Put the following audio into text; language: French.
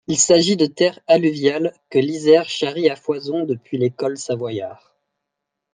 Il s'agit de terre alluviale que l'Isère charrie à foison depuis les cols savoyards.